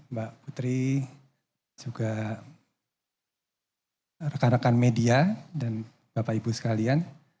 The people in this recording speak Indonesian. mbak putri juga rekan rekan media dan bapak ibu sekalian